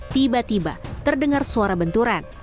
tiba tiba terdengar suara benturan